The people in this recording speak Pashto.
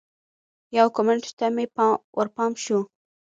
یو کمنټ ته مې ورپام شو